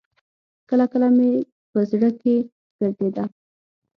کله کله مې په زړه کښې ګرځېده.